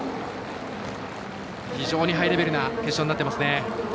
非常にハイレベルな決勝になっていますね。